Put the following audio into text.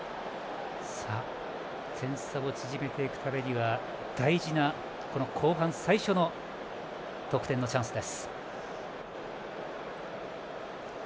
点差を縮めていくためには大事な後半最初の得点のチャンスです。